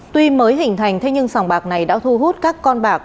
tuy mới hình thành thế nhưng sòng bạc này đã thu hút các con bạc